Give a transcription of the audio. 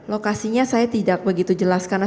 lokasinya saya tidak begitu jelas karena